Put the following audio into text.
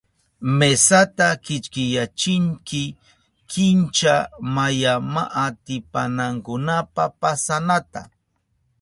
Mesata kichkiyachinki kincha mayanmaatipanankunapa pasanata.